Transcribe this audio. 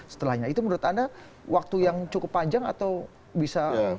setelahnya itu menurut anda waktu yang cukup panjang atau bisa